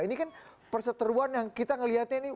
ini kan perseteruan yang kita ngelihatnya ini